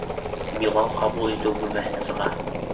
Билал ҡабул итеү бүлмәһенә сыға.